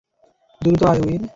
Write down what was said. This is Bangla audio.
দ্রুত আয়, উইল।